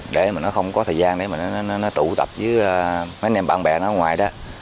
để mà nó không có thời gian để mà nó tụ tập với mấy anh em bạn bè nó ở ngoài đó